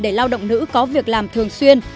để lao động nữ có việc làm thường xuyên